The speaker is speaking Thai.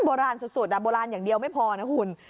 โบราณสุดโบราณอย่างเดียวไม่พอนะคุณ